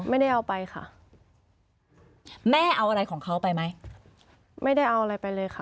ไม่ได้เอาไปค่ะแม่เอาอะไรของเขาไปไหมไม่ได้เอาอะไรไปเลยค่ะ